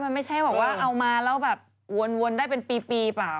มันไม่ใช่แบบว่าเอามาแล้วแบบวนได้เป็นปีเปล่า